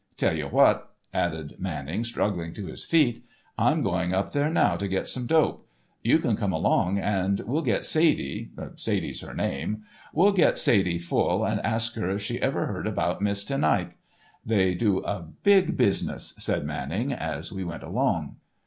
Tell you what," added Manning, struggling to his feet, "I'm going up there now to get some dope. You can come along, and we'll get Sadie (Sadie's her name) we'll get Sadie full, and ask her if she ever heard about Miss Ten Eyck. They do a big business," said Manning, as we went along.